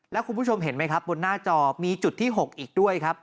แล้วคุณผู้ชมเห็นไหมครับบนหน้าจอมีจุดที่๖อีกด้วยครับ